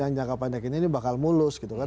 yang jangka pendek ini bakal mulus gitu kan